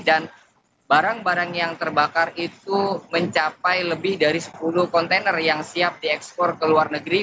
dan barang barang yang terbakar itu mencapai lebih dari sepuluh kontainer yang siap diekspor ke luar negeri